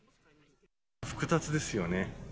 複雑ですよね。